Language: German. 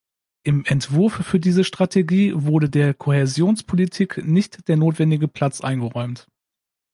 Im Entwurf für diese Strategie wurde der Kohäsionspolitik nicht der notwendige Platz eingeräumt.